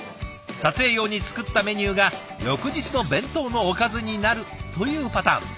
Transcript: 撮影用に作ったメニューが翌日の弁当のおかずになるというパターン。